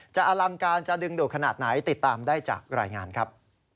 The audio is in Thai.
อลังการจะดึงดูดขนาดไหนติดตามได้จากรายงานครับ